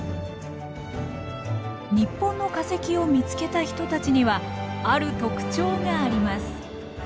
日本の化石を見つけた人たちにはある特徴があります。